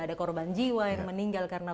ada korban jiwa yang meninggal karena